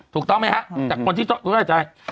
ถูกต้องไหมครับจากคนที่เจ้าเพิ่มข้อระดาษ